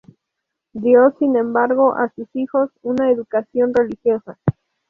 Dio sin embargo a sus hijos una educación religiosa.